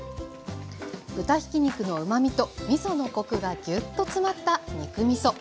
豚ひき肉のうまみとみそのコクがギュッと詰まった肉みそ。